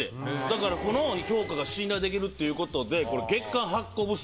だからこの評価が信頼できるっていうことでこれ。